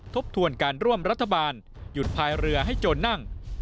ทบทวนการร่วมรัฐบาลหยุดพายเรือให้โจรนั่ง